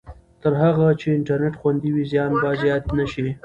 تر هغه چې انټرنېټ خوندي وي، زیان به زیات نه شي.